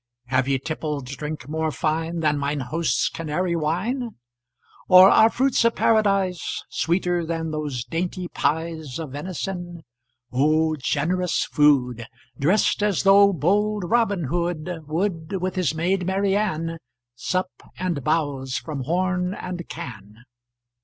Have ye tippled drink more fine Than mine host's Canary wine? Or are fruits of Paradise Sweeter than those dainty pies Of venison? O generous food! Drest as though bold Robin Hood 10 Would, with his maid Marian, Sup and bowse from horn and can.